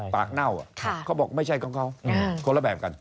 เน่าเขาบอกไม่ใช่ของเขาคนละแบบกัน